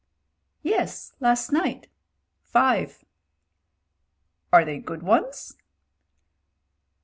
''Ye& last night. Five." "Are they good ones?"